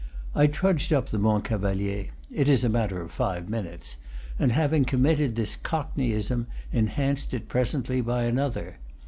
I trudged up the Mont Cavalier, it is a matter of five minutes, and having committed this cockneyism en hanced it presently by another.